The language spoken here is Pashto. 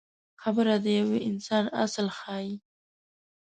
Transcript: خبره د یو انسان اصل ښيي.